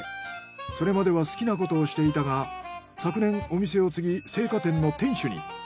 それまでは好きなことをしていたが昨年お店を継ぎ青果店の店主に。